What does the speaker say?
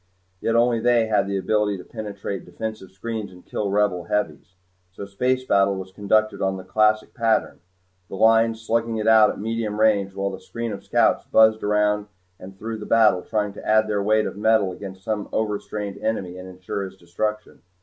Yet only they had the ability to penetrate defensive screens and kill the Rebel heavies. So space battle was conducted on the classic pattern the Lines slugging it out at medium range while the screen of scouts buzzed around and through the battle trying to add their weight of metal against some overstrained enemy and ensure his destruction.